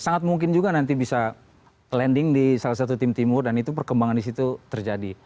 sangat mungkin juga nanti bisa landing di salah satu tim timur dan itu perkembangan di situ terjadi